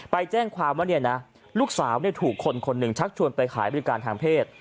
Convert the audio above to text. ไปแจ้งความว่าเนี่ยนะลูกสาวถูกคนคนหนึ่งชักชวนไปขายบริการทางเพศ